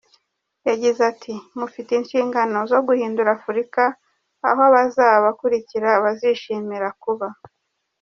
Yagize ati “Mufite inshingano zo guhindura Afurika aho abazabakurikira bazishimira kuba.